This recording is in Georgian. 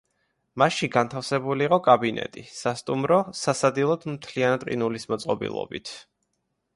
მასში განთავსებული იყო კაბინეტი, სასტუმრო, სასადილო მთლიანად ყინულის მოწყობილობით.